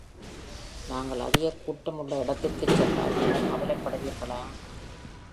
நாங்கள் அதிகக் கூட்டம் உள்ள இடத்திற்குத் சென்றால் நீங்கள் கவலைப்படுவீர்களா?